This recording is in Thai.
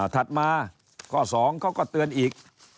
ถัดมาข้อ๒เขาก็เตือนอีก